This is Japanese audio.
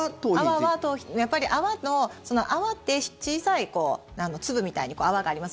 泡は頭皮、やっぱり泡って小さい粒みたいに泡があります。